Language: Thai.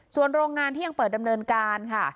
ส่วนโรงงานที่ยังเปิดดำเนินการค่ะ